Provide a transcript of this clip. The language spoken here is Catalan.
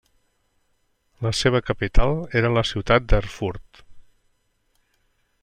La seva capital era la ciutat d'Erfurt.